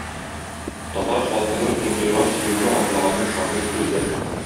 Татар халкының инкыйраз юлына атлаганын шагыйрь күрде.